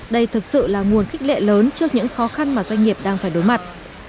đây thực sự là nguồn khích lệ lớn trước những khó khăn mà doanh nghiệp đang phải đối mặt